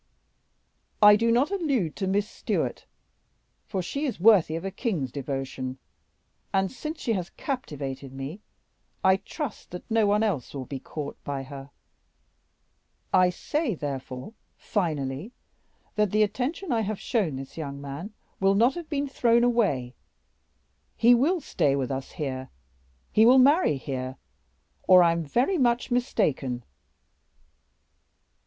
"I do not allude to Miss Stewart, for she is worthy of a king's devotion; and since she has captivated me I trust that no one else will be caught by her; I say, therefore, finally, that the attention I have shown this young man will not have been thrown away; he will stay with us here, he will marry here, or I am very much mistaken."